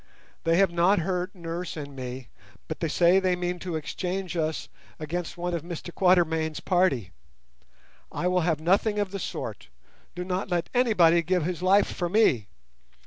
They have not hurt nurse and me, but say that they mean to exchange us against one of Mr Quatermain's party. I will have nothing of the sort. Do not let anybody give his life for me.